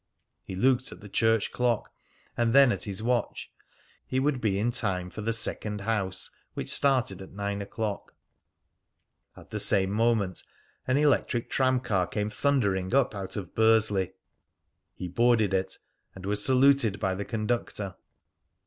He looked at the church clock, and then at his watch. He would be in time for the "second house," which started at nine o'clock. At the same moment an electric tram car came thundering up out of Bursley. He boarded it, and was saluted by the conductor.